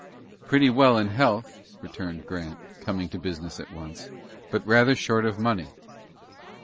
"Pretty well in health," returned Grant, coming to business at once, "but rather short of money."